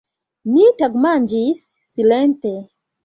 Ni tagmanĝis silente.